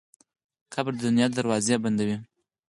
قبر د دنیا دروازې بندوي.